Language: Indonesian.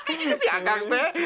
itu dia kagak teh